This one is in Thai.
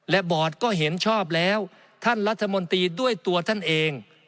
และบอร์ดก็เห็นชอบแล้วท่านรัฐมนตรีด้วยตัวท่านเอง